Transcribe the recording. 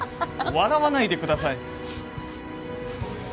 笑わないでください。